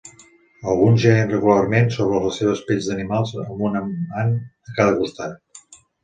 Alguns jeien regularment sobre les seves pells d'animals amb un amant a cada costat.